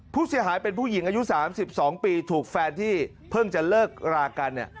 ผู้เสียหายเป็นผู้หญิงอายุ๓๒ปีถูกแฟนที่เพิ่งจะเลิกรากันเนี่ย